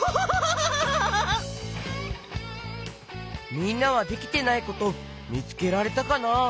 みんなはできてないことみつけられたかな？